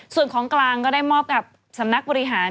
ส่วนของกลางก็ได้มอบกับสำนักบริหาร